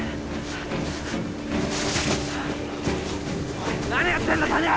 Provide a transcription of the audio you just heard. おい何やってんだ谷原！